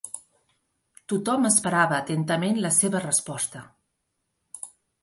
Tothom esperava atentament la seva resposta.